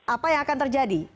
apa yang akan terjadi